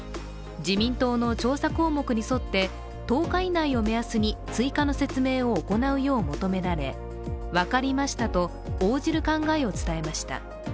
自民党の調査項目に沿って１０日以内を目安に追加の説明を行うよう求められ、分かりましたと応じる考えを伝えました。